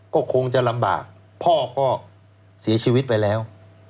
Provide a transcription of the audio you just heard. ก็คงจะลำบากพ่อก็เสียชีวิตไปแล้ว